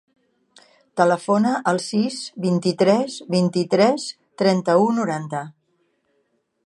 Telefona al sis, vint-i-tres, vint-i-tres, trenta-u, noranta.